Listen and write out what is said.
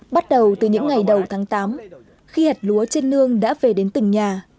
bắt đầu từ những ngày đầu tháng tám khi hạt lúa trên nương đã về đến từng nhà